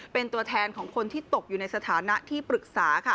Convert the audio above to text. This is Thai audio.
เป็นตัวแทนของคนที่ตกอยู่ในสถานะที่ปรึกษา